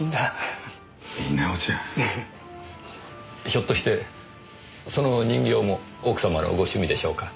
ひょっとしてその人形も奥様のご趣味でしょうか？